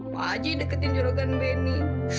pak haji deketin jurogan benny